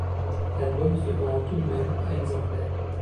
L'album se vend tout de même à exemplaires.